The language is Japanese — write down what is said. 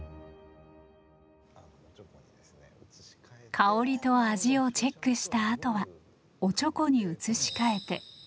香りと味をチェックしたあとはおちょこに移し替えて。